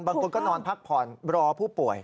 บางคนก็นอนพักผ่อนรอผู้ป่วย